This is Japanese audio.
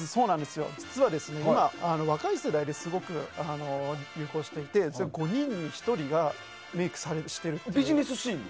実は今、若い世代ですごく流行していて５人に１人がメイクをしていると。